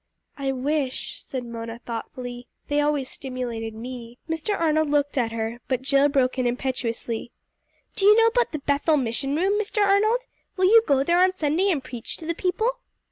"I wish," said Mona thoughtfully, "they always stimulated me." Mr. Arnold looked at her, but Jill broke in impetuously. "Do you know about the Bethel Mission room, Mr. Arnold? Will you go there on Sunday and preach to the people?"